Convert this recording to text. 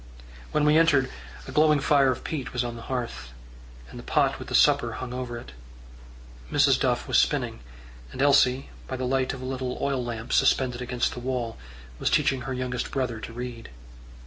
When we entered, a glowing fire of peat was on the hearth, and the pot with the supper hung over it. Mrs. Duff was spinning, and Elsie, by the light of a little oil lamp suspended against the wall, was teaching her youngest brother to read.